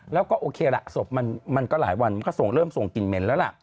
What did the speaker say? แล้วก็โอเคละผมก็กลับไปช่วงเริ่มกินเหม็นแล้ว